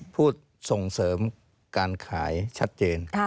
ส่งเสริมการขายชัดเจน